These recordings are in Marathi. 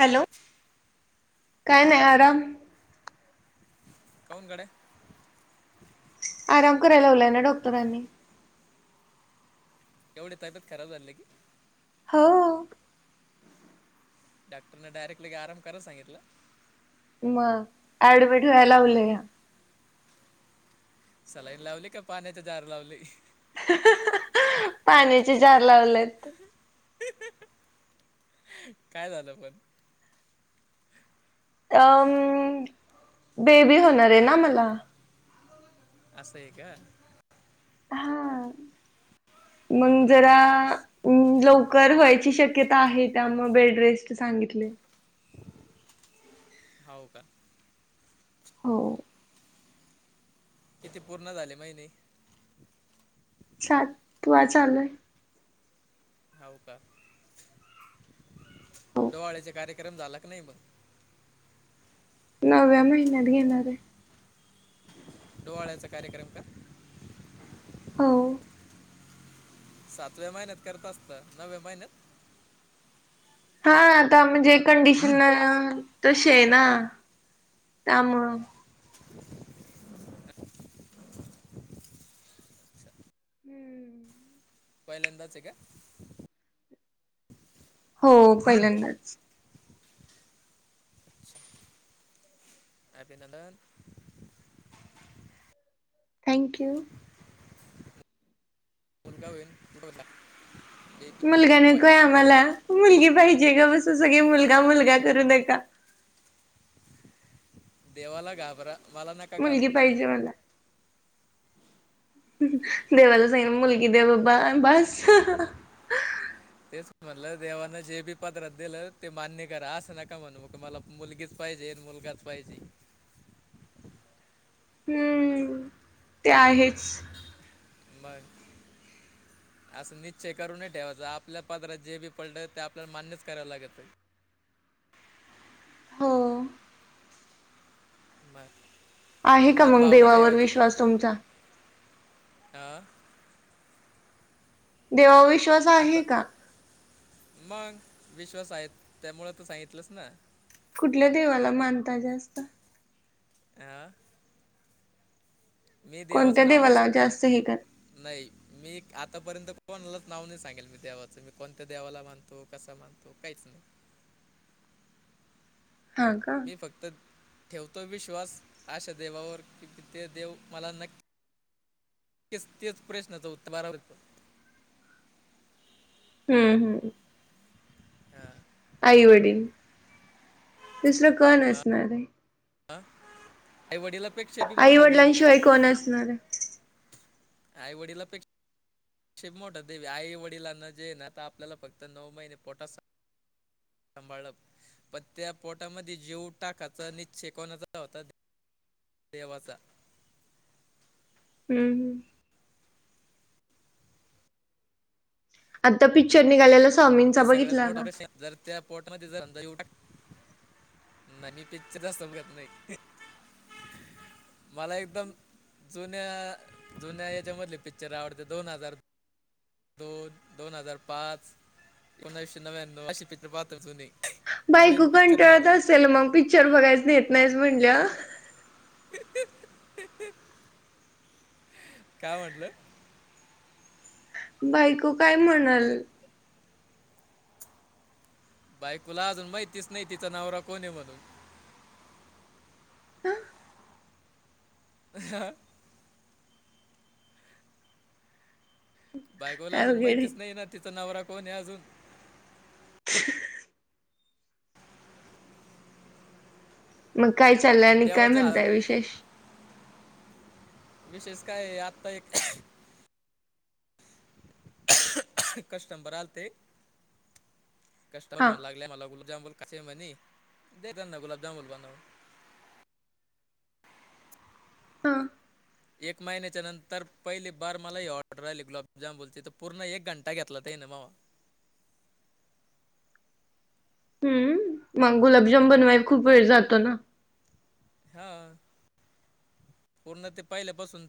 हॅलो, काय नाही आराम. कौन गड आहे. आराम कराय लावलय ना डॉक्टरांनी. एवढी तब्येत खराब चालले की. हो. डॉक्टरने डयरेक्टली काय आराम करा सांगितलं? म एडमिटला होया लावलया. सलाईन लावली का, पाण्याची जार लावलय. हां हां हां पाण्याचे जार लावलेत. काय झालं पण? अम बेबी होणार आहे ना मला. असं आहे का. हां मंग जरा कॉंग्रॅच्युलेशन्स लवकर व्हायची शक्यता आहे, त्यामुळं बेड रेस्ट सांगितले. हौ का. हो. किती पूर्ण झाले महिने. सातवा चालूय. हो का हो डोवाळ्याचा कार्यक्रम झाला का नाही मग. नव्या महिन्यात घेणार आहे. डोवाळ्याचा कार्यक्रम का. हो. सातव्या महिन्यात करत असता, नवव्या महिन्यात. हा आता म्हणजे कंडिशन तशी आहे ना त्यामुळं. हम्म. पहिल्यांदाच आहे का. हो, पहिल्यांदाच. अभिनंदन. थँक्यू! [unintelligible] मुलगा बेबी बॉय नकोय आम्हाला, मुलगी पाहिजे का बस सगळे मुलगा मुलगा करू नका. देवाला घाबरा, मला न मुलगी पाहिजे मला देवाला जाईन, मुलगी दे बाबा बस. तेच म्हणलं देवान जे बी पदरात दिलं, ते मान्य करा असं नका म्हणू मग मला मुलगीच पाहिजे, मुलगाच पाहिजे. हम्म, ते आहेच! बर. असं निश्चय करून नाही ठेवायचा, आपल्या पद्रात जे बी पलत ते आपल्याला मान्यच कराव लागेत. हो. बार. आहे का मग देवावर विश्वास तुमचा? ह. देवाविश्वास आता आहे का? मग विश्वास आहे, त्यामुळ तर सांगितलंस ना! कुठल्या देवाला मानता जास्त? आ? मी देवाचं कोणत्या नाव नाहीच देवाला घेत कोण जास्त हे कर नाही मी आतापर्यंत कोणालाच नाव नाही सांगेल, मी देवाचं मी कोणत्या देवाला मानतो कस मानतो. तो काहीच नाही. हा का हम्म मी फक्त ठेवतो विश्वास अशा देवावर की, ते देव मला नक्की तेच प्रश्नाचं उत्तर बारब हम्म हम. आई वडील, दुसरं कोण असणार आहे? आई वडिला आई वडिलांशिवाय कोण असणार? आई वडिलापेक्षा शिवमोठा देवी आई वडीला न जे, न आता आपल्याला फक्त नऊ महिने पोटास सांभाळप पण त्या पोटामध्ये जेव टाकाचा नच शेकवणाचा होता. ते वाचा. हम्म. आता पिक्चर निघालेला स्वामीनचा ते सगळ्यात बघितला मोठा का. प्रश्न आहे. जर त्या पोर्टने जर अधायू. नाही पिकच्चर असत बघत नाही, मला एकदम जुन्या जुन्या, याच्यामधले पिक्चर आवडते दोन हजार दोन दोन हजार पाच, एकोणीशे नव्याण्णव अशी चित्रपट जुनी. बायको कंटाळत असेल मग, पिक्चर बघायचं न्हेत नाही म्हणल्यावर. [unintelligible] काय म्हटलं? बायको काय म्हणाल? बायकुला अजून माहितीच नाही, तिचा नवरा कोण म्हणून. हा. [unintelligible] बायकोला अजून अवघडे माहितीच नाही ना, तिचा नवरा कोण आहे अजून ह. मग काय आता चाललंय ते आणि काय देवाच्या हा- म्हणताय विशेष? विशेष काय आता एक. कस्टंबर आल ते कस्टमर हा मला लागला मला गुल जांबुल. कसे आहे म्हणी दे त्यांना गुलाबजाम बनून हा. एक महिन्याच्या नंतर पहिली बार मला ही ऑर्डर आहिली गुलाबजामनची तर पूर्ण एक घंटा घेतला त ना म. हम्म मग गुलाबजाम बनवाय खूप वेळ जातो ना. हा पूर्ण ते पहिल्या पासून.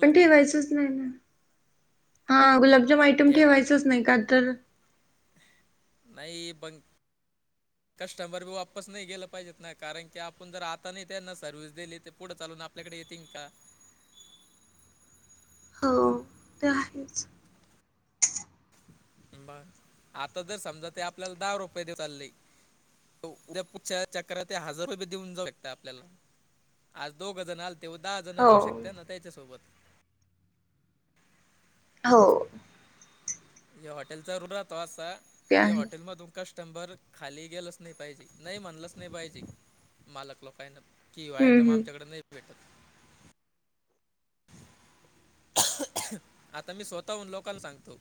पण ठेवायचच नाही ना हा गुलाबजाम आयटम ठेव ठेवायचच नाही का तर. नाही पण कस्टमर बी वापस नाही गेलं पाहिजेत ना कारण की आपण जर आता नाही त्यांना सर्व्हिस दिली ते पुढ चालून आप पल्याकडे येेतील का? हो ते आहेच. बर आता जर समजा ते आपल्याला दहा रुपये दे चालले. उद्या पुढच्या चकात हजार रुपये देऊन जाऊ शकता आपल्याला. आज दोघ जण आले तेव दहा जण बी हो येऊ शकते ना त्याच्यासोबत. हो. हे हॉटेलचा रूर राहातो असा ते की आहे हॉटेल मध तु. कस्टमबर खाली गेलंच नाही पाहिजे नाही म्हणलंच नाही पाहिजे मालक लोकाय ना कि हम्म आयटम हम्म आमच्याकडे नाही भेटत. आता मी स्वतःहन लोकांला सांगतो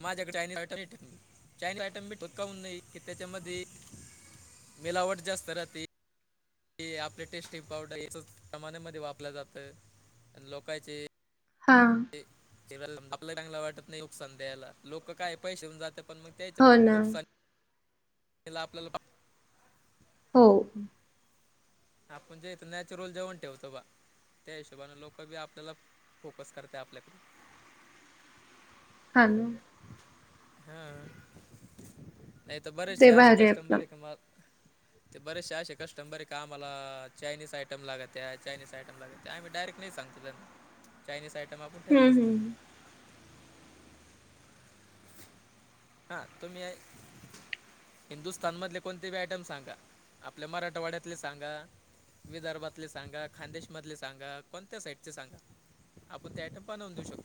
माझ्याकडे चायनीज आयटम ठेवत नई चायनीज आयटम बी खाऊ नये की त्याच्यामध्ये. मिलावट जास्त राहते. क आपले टेस्टी पावडर याच प्रमाणामध्ये वापर जातं आणि लोकांचे. हा. आप चांग वाटत नाही नुकसान द्यायला लोक काय पैसे जात्यात पण मग त्याच हो ना नुकसान. त्याला आपल्याला. हो. आपण जे इथ नॅचरल जेवण ठेवतो बा. त्या हिशोबाने लोक बी आपल्याला फोकस करत आपल्यात. हा न हा. नाही तर बरेचचे ते असशे भारी आहे कष्टम आपलं बरे का म. ते बरेचसे असे कस्टबर का आम्हाला चायनीज आयटम लागत त्या यनीज आयटम लागत आम्ही डायरेक्ट नाही सांगतो त्यांन चायनीज आयटम आपण हम्म ठेवतोच. हम्म हा तुम्ही आहे. हिंदुस्तान मधले कोणते आयटम सांगा आपल्या मराठवाड्यातले सांगा. विदर्भातले सांगा खानदेश मधले सांगा कोणत्या साईडचे सांगा. आपण ते आईटम बनून देऊ शकतो.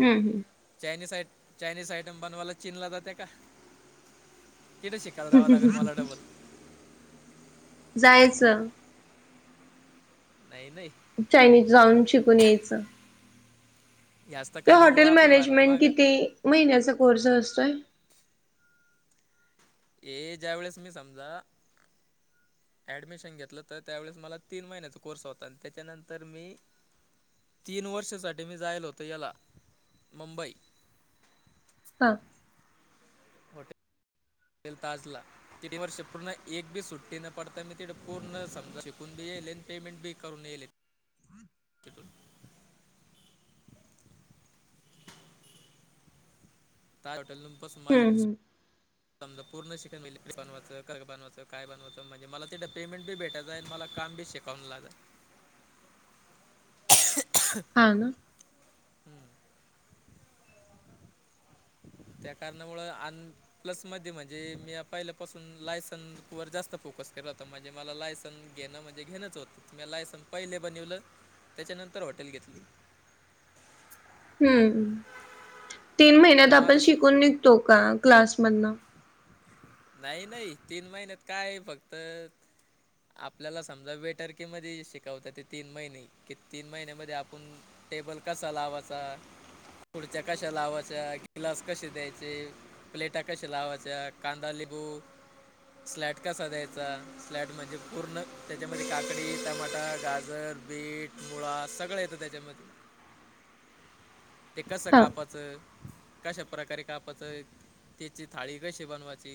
हम्म हम्म. चायनीस आयट चायनीस आयटम बनवाला चीनला जातीये का? किथं शिकायला दवं हम्म लागेल मला डबल. जायच. नाही नाही. चायनीज जाऊन शिकून यायचं. ह्याच तर त कारणामुळं हॉटेल आपलं भारत मॅनेजमेंट माग किती महिन्याचा कोर्स असतोय? ये ज्या वेळेस मी समजा. ऍडमिशन घेतलं तर त्यावेळेस मला तीन महिन्याचा कोर्स होता आणि त्याच्यानंतर मी तीन वर्षांसाठी मी जायलो होतो मी ह्याला मुंबई. हा. ल ताजला तीन वर्ष पूर्ण एक बी सुट्टी न पडता मी ति पूर्ण समजा शिकून बी येले आणि पेमेंट बी करून येेले कटून [unintelligible] त्या [unintelligible] हॉटेलपासून माझे हम्म हम्म. समजा पूर्ण शिकण बनवाचंय [inaudible] बवायचंय काय बनयचं म्हणजे मला तिड पेमेंटी भेटायंय मला कामी बी शिक कम लागा [unintelligible] हा ना. हम्म. त्या कारणामुळं आण प्लसमध्ये म्हणजे मी पहिल्यापासून लायसन वर जास्त फोकस केला होता म्हणजे मला लायसन घेणं म्हणजे घेणंच होतं म लायसन पहिले बनवलं त्याच्यानंतर हॉटेल घेतली. हम्म तीन आता महिन्यात आपण माझंच शिकून निघतो का क्लासमधन. नाही नाही तीन महिन्यात काय आहे फक्त आपल्याला समजा बेटर्के मध्ये शिकवत ते तीन महिने की तीन महिन्यामध्ये आपण टेबल कसा लावायचा खुर्च्या कशा लावायच्या ग्लास कसा द्यायचा प्लेट्स कसा लावायचा आणि कांदा लिंबू सॅलड कसा द्यायचा स्लाड म्हणजे त्यात काकडी टोमॅटो गाजर. बीट मुळा सगळं येतं त्याच्यामध्ये. ते कसं हा कापायचं तकशाप्रकारे कापायचं आणि त्याची थाळी कशाप्रकारे बनवायची.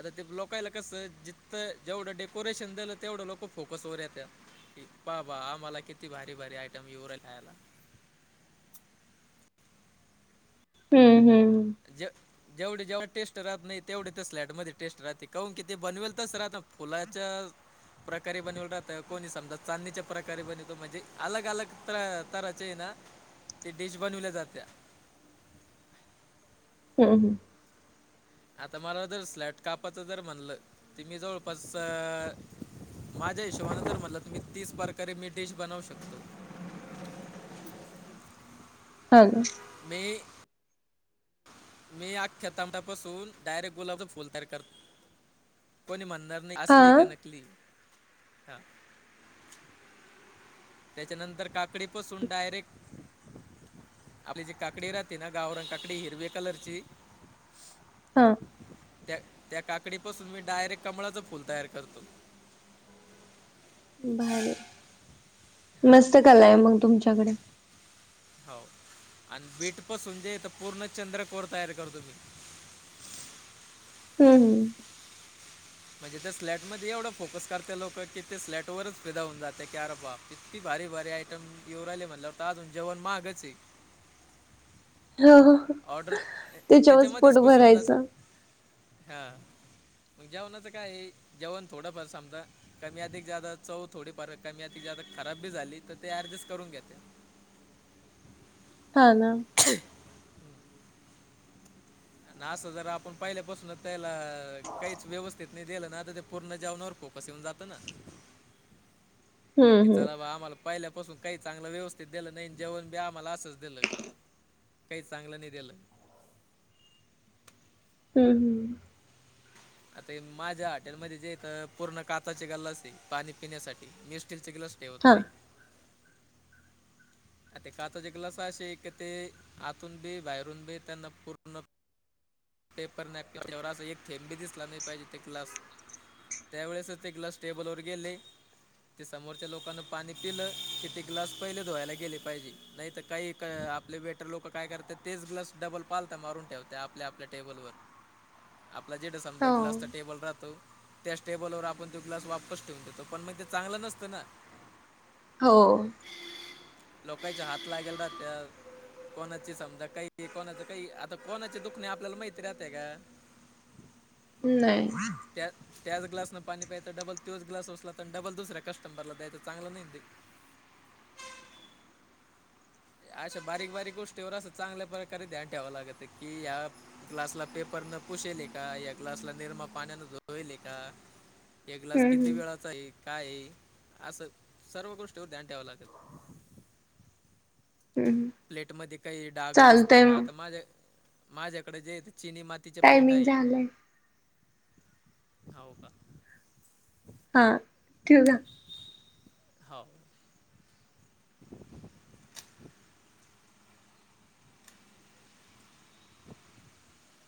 आता ते ब्लोकायला कसं जिथ जेवढं डेकोरेशन झालं तेवढ लोक फोकस वर येत्यात. बाबा आम्हाला किती भारी भारी ऐटम येवरे खायला. हम्म हम्म. ज जेवढे जेवढ टेस्ट राहत नाही तेवढे ते स्लॅट मध्ये टेस्ट राहते काहून की ते बनवेल तरच राहत ना फुलाच्या प्रकारे बनवल राहत कोणी समजा चांदणीच्या प्रकारे बनवतो म्हणजे अलग अलग तरा ना ते ते डिश बनवल्या जात्या. हम् हम्. आता मला जर सॅलेड कापायचं म्हणलं तर मी जवळपास माझ्या हिशोबान तर म्हटलं तुम्ही तीस प्रकारे मी डिश बनवू शकतो. ह मी मी अख्ख्या तामटापासून डायरेक्ट गुलाबच फुल तयार करत कोणी म्हणणार हा असली का नकली हा त्याच्यानंतर काकडी पासून डायरेक्ट. आपली जी काकडी राहते ना गावरण काकडी हिरवे कलरची. हां. त्या त्या काकडी पाासून मी डायरेक्ट कमळाच फुल तयार करतो. भारी मग हां मस्त कला आहे तुमच्याकडे. हौ आणि बीट पासून तर पूर्ण चंद्रकोर तयार करतो मी. हम्म हम्म. म्हणजे त्या स्लॅट मध्ये एवढं फोकस करते लोक की ते स्लॅट वरच फिदा होऊन जाते की अर बा इतती भारी भारी आहे. येऊ राहिले म्हटला वर तर अजून जेवण माहागचे. हो हो. हो. ऑर्डर त्याच्यावरच पोट त्याच्यामध्येच खुश होऊन भरायचं जातात हा मग जेवणाचं काय आहे, जेवण थोडंफार समजा कमी अधिक जादा चव थोडीफार कमी अधिक जादा खराब बी झाली तर ते ऍडजस्ट करून घेते. काय लं. [unintelligible] ना असं जरा आपण पहिल्यापासूनच त्याला, काहीच व्यवस्थित नाही गेलं ना आता ते पूर्ण जालना वर फोकस येऊन जातं ना. हम्म कि हम्म चला बा आम्हाला पहिल्यापासून काही चांगलं व्यवस्थित दिलं नाही. जेवण बी आम्हाला असंच दिलं. काही चांगलं नाही दिलं. हम्म हम्म. आता माझ्या हॉटेलमध्ये जेथ पूर्ण काचचे ग्लास आहे, पाणी पिण्यासाठी मी स्टीलचे ग्लास. ते होत हा नाही. ते काचचे जे ग्लास असे ते, आतून बी बाहेरून बी त्यांना पूर्ण. पेपर नॅपकिन चवरा एक, थेंबी दिस लाबले पाहिजे ते ग्लास. त्यावेेळेस, ते क्लास टेबल वर गेले! ते समोरच्या लोकांन पाणी पिलं, कि ते ग्लास पहिले धुवायला गेले पाहिजे. नाही तर काही आपले बेटर लोक काय करते तेच ग्लस डबल पालत मारून ठेवते आपल्या आपल्या टेबल वर आपला जीत समजा, ग्लासचा हो टेबल राहतो. त्याच टेबलवर आपण तो, ग्लास वापस ठेवून देतो पण मग ते चांगलं नसतं ना. हो. लोकांच्या हात लागेल राहत. कोणाची समजा काही कोणाच काही, आता कोणाचे दुखणे आप आपल्याला मैथी राहते कां. नाही. त्या त्याच ग्लासनं पाणी प्यायचं डबल तोच ग्लास उचलाचा, तर डबल दुसऱ्या कस्टमरला द्यायचं चांगलं नाही ते. अशा बारीक बारीक गोष्टीवर असं, चांगल्या प्रकारे ध्यान ठेवां लागत की या. ग्लासला पेपर न पुशेले का, या ग्लासला निरमा पाण्यान धुले का. एक ग्लास किती हम्म वेळाचा आहे, काय आहे असं सर्व गोष्टीवर ध्यान ठेवाव लागेल. हम्म. प्लेटमध्ये काही डाग दिसत चालतय का, मग आता माझ्या माझ्याकडे जे चिनी माती. तिचे प्लेट टायमिंग आहे. झालंय हौ का, हा ठेवूका. हौव. [inaudible] [inaudible]